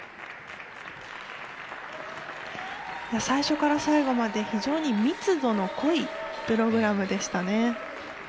最初から最後まで非常に密度の濃いプログラムでしたね。